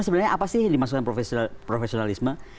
sebenarnya apa sih dimaksudkan profesionalisme